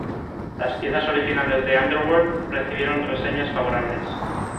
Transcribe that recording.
Las piezas originales de Underworld recibieron reseñas favorables.